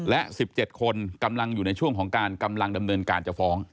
และ๑๗คนกำลังอยู่ในช่วงของการกำลังดำเนินการจะฟ้อง